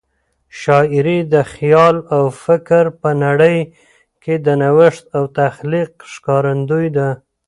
شاعري د خیال او فکر په نړۍ کې د نوښت او تخلیق ښکارندوی ده.